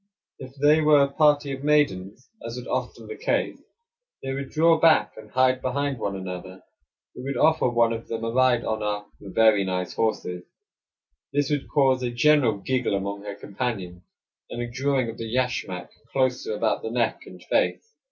If they were a party of maidens, as was often the case, they would draw back and hide behind one another. We would offer one of them a ride on our "very nice horses." This would cause a general giggle among her companions, and a drawing of the yashmak closer about the neck and face.